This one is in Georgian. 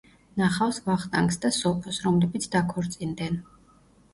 ნახავს ვახტანგს და სოფოს, რომლებიც დაქორწინდენ.